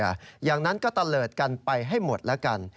อย่างนั้นก็ตะเลิศกันไปให้หมดแล้วกัน